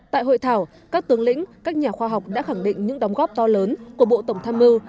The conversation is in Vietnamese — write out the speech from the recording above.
tại hội thảo các tướng lĩnh các nhà khoa học đã khẳng định những đóng góp to lớn của bộ tổng tham mưu